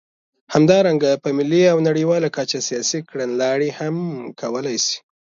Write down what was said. همدارنګه په ملي او نړیواله کچه سیاسي کړنلارې هم کولای شي.